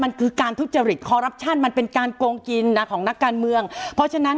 มันคือการทุจริตคอรัปชั่นมันเป็นการโกงกินนะของนักการเมืองเพราะฉะนั้น